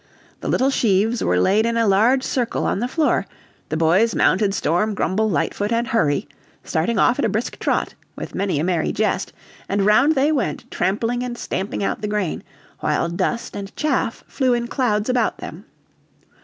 The little sheaves were laid in a large circle on the floor, the boys mounted Storm, Grumble, Lightfoot, and Hurry, starting off at a brisk trot, with many a merry jest, and round they went, trampling and stamping out the grain, while dust and chaff flew in clouds about them.